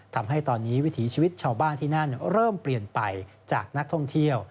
ทำให้ตอนนี้วิถีชีวิตชาวบ้านที่นั่นเริ่มเปลี่ยนไปจากนักท่องเที่ยว